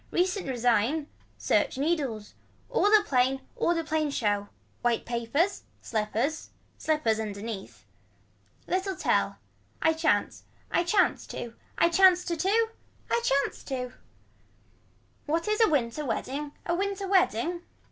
Recent resign. Search needles. All a plain all a plain show. White papers. Slippers. Slippers underneath. Little tell. I chance. I chance to. I chance to to. I chance to. What is a winter wedding a winter wedding.